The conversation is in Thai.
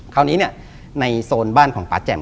คราวนี้เนี่ยในโซนบ้านของป๊าแจ่ม